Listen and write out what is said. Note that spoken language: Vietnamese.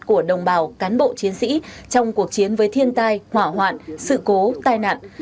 của đồng bào cán bộ chiến sĩ trong cuộc chiến với thiên tai hỏa hoạn sự cố tai nạn